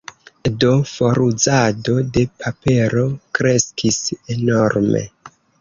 Do foruzado de papero kreskis enorme.